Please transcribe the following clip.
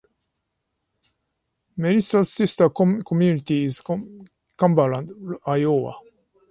Massena's sister community is Cumberland, Iowa.